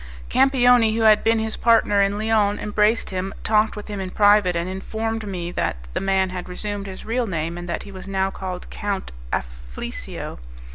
Campioni, who had been his partner in Lyons, embraced him, talked with him in private, and informed me that the man had resumed his real name, and that he was now called Count Afflisio.